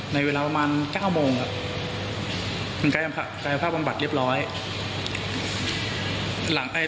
ในเวลาประมาณเก้าโมงอะกายภาพอัมบัติเรียบร้อย